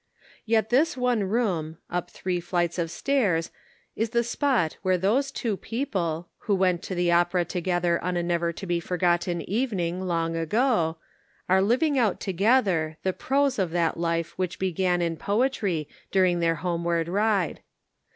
Yet this one room, up three flights of stairs, is the spot where those two people, who went to the opera together on a never to be forgotten evening long ago, are living out together the prose of that life 414 The Pocket Measure. which began in poetry during their homeward ride.